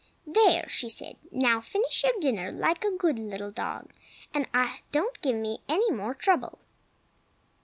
"There!" she said, "now finish your dinner, like a good little dog, and don't give me any more trouble."